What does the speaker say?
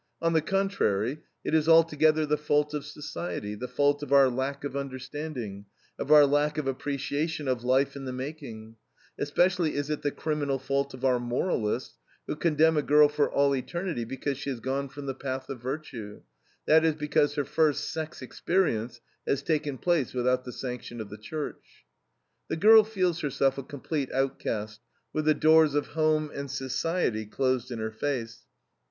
On the contrary, it is altogether the fault of society, the fault of our lack of understanding, of our lack of appreciation of life in the making; especially is it the criminal fault of our moralists, who condemn a girl for all eternity, because she has gone from the "path of virtue"; that is, because her first sex experience has taken place without the sanction of the Church. The girl feels herself a complete outcast, with the doors of home and society closed in her face.